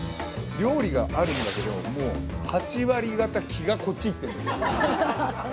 料理があるんだけどもう８割方気がこっちいってるんです。